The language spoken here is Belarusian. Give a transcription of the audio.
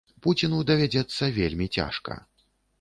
Пуціну давядзецца вельмі цяжка.